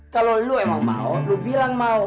kalau lo emang mau lu bilang mau